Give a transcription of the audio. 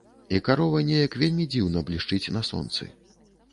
І карова неяк вельмі дзіўна блішчыць на сонцы.